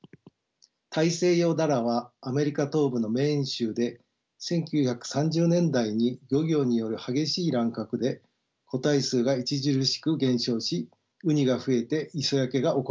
タイセイヨウダラはアメリカ東部のメーン州で１９３０年代に漁業による激しい乱獲で個体数が著しく減少しウニが増えて磯焼けが起こりました。